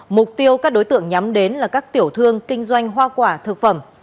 mục tiêu các đối tượng nhắm đến là các tiểu thương kinh doanh hoa quả thực phẩm